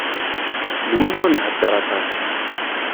D win ur nhedder aṭas.